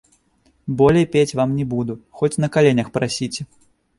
Болей пець вам не буду, хоць на каленях прасіце.